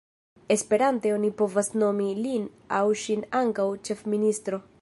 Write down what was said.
Esperante oni povas nomi lin au ŝin ankaŭ ĉefministro.